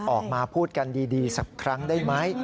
ออกมาพูดกันดีสักครั้งได้ไหม